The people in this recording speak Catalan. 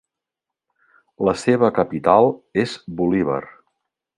La seva capital és Bolívar.